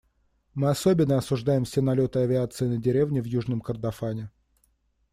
Мы особенно осуждаем все налеты авиации на деревни в Южном Кордофане.